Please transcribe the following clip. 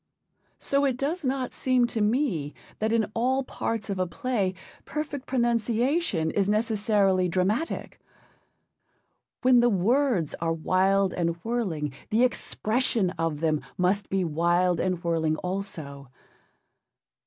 So it does not seem to me that in all parts of a play perfect pronunciation is necessarily dramatic. When the words are 'wild and whirling,' the expression of them must be wild and whirling also.